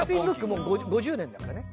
もう５０年だからね。